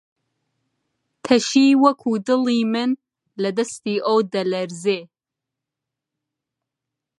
تەشی وەکو دڵی من، لە دەستی ئەو دەلەرزی